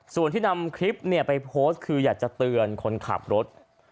ส่วนที่นำคลิปไปโพสต์คืออยากจะเตือนคนขับรถ